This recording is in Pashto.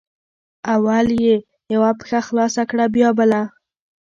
اول یې یوه پښه خلاصه کړه بیا بله